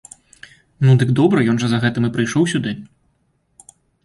Ну, дык добра, ён жа за гэтым і прыйшоў сюды.